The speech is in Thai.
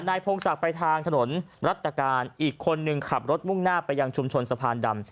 พงศักดิ์ไปทางถนนรัฐกาลอีกคนนึงขับรถมุ่งหน้าไปยังชุมชนสะพานดำ